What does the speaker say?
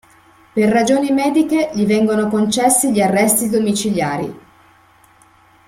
Per ragioni mediche gli vengono concessi gli arresti domiciliari.